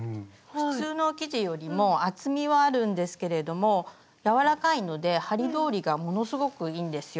普通の生地よりも厚みはあるんですけれども柔らかいので針通りがものすごくいいんですよ。